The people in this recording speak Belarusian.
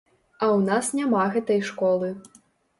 А ў нас няма гэтай школы.